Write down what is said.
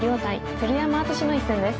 鶴山淳志の一戦です。